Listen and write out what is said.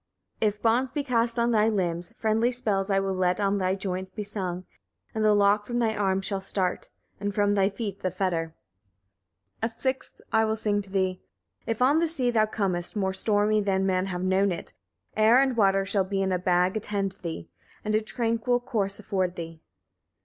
If bonds be cast on thy limbs, friendly spells I will let on thy joints be sung, and the lock from thy arms shall start, [and from thy feet the fetter]. 11. A sixth I will sing to thee. If on the sea thou comest, more stormy than men have known it, air and water shall in a bag attend thee, and a tranquil course afford thee.